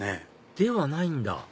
ではないんだ